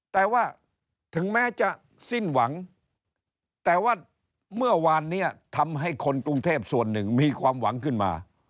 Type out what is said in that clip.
แต่ว่าถึงแม้จะสิ้นหวังแต่ว่าเมื่อวานนี้ทำให้คนกรุงเทพส่วนหนึ่งมีความหวังขึ้นมา